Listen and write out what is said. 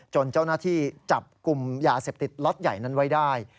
เจ้าหน้าที่จับกลุ่มยาเสพติดล็อตใหญ่นั้นไว้ได้